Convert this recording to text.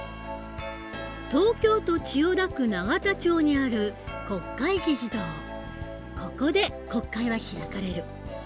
東京都千代田区永田町にあるここで国会は開かれる。